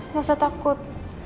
gak usah takut